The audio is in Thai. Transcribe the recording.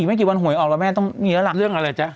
ไม่กี่วันหวยออกแล้วแม่ต้องมีแล้วล่ะเรื่องอะไรจ๊ะ